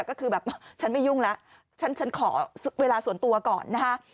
ก็คือแบบฉันไม่ยุ่งแล้วฉันขอเวลาส่วนตัวก่อนนะคะ